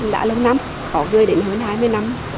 đã lớn nắm có người đến hơn hai mươi năm